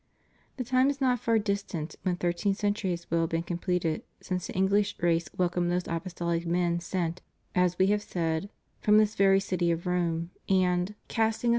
The time is not far distant when thirteen centuries will have been completed since the English race welcomed those apostolic men sent, as We have said, from this very city of Rome, and, casting aside the » Eoh.